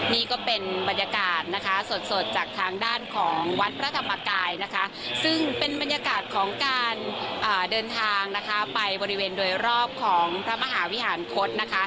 นี่ก็เป็นบรรยากาศนะคะสดจากทางด้านของวัดพระธรรมกายนะคะซึ่งเป็นบรรยากาศของการเดินทางนะคะไปบริเวณโดยรอบของพระมหาวิหารคตนะคะ